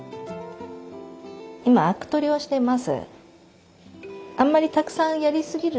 今あく取りをしてます。